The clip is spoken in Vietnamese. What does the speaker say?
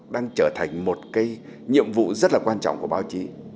đang trở thành một cái nhiệm vụ rất là quan trọng của báo chí